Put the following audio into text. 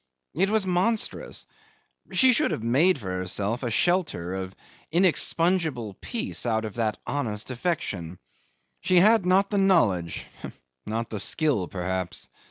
It was monstrous. She should have made for herself a shelter of inexpugnable peace out of that honest affection. She had not the knowledge not the skill perhaps.